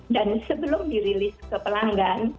dan sebelum dirilis ke pelanggan